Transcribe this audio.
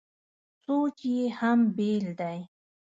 سوچ یې هم بېل دی.